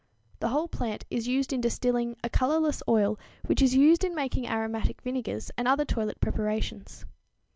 The whole plant is used in distilling a colorless oil which is used in making aromatic vinegars and other toilet preparations.